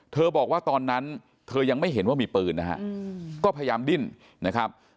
บอกว่าตอนนั้นเธอยังไม่เห็นว่ามีปืนนะฮะก็พยายามดิ้นนะครับ